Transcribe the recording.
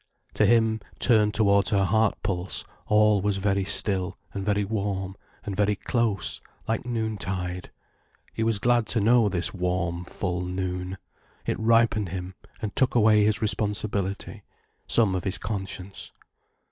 To him, turned towards her heart pulse, all was very still and very warm and very close, like noon tide. He was glad to know this warm, full noon. It ripened him and took away his responsibility, some of his conscience.